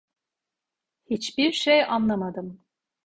Hiçbir şey anlamadım.